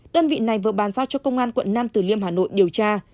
đơn vị này vừa bàn giao cho công an quận nam tử liêm hà nội điều tra